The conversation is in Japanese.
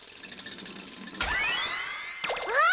あっ！